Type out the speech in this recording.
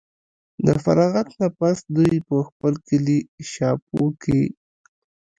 د فراغت نه پس دوي پۀ خپل کلي شاهپور کښې